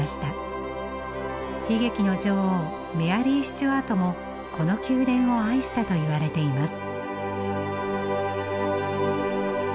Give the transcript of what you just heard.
悲劇の女王メアリー・スチュアートもこの宮殿を愛したといわれています。